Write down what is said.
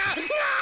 あ！